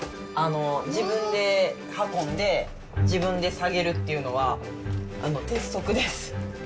自分で運んで、自分で下げるっていうのは、鉄則です。